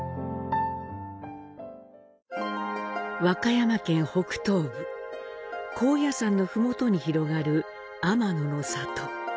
和歌山県北東部、高野山の麓に広がる天野の里。